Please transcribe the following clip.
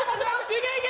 いけいけ！